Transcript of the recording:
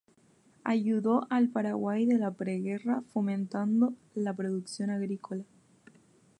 Ayudó al Paraguay de la pre-guerra fomentando la producción agrícola.